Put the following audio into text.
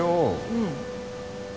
うん。